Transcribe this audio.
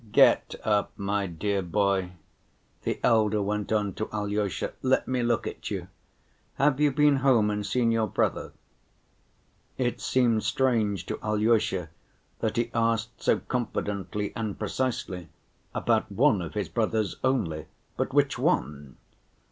"Get up, my dear boy," the elder went on to Alyosha. "Let me look at you. Have you been home and seen your brother?" It seemed strange to Alyosha that he asked so confidently and precisely, about one of his brothers only—but which one?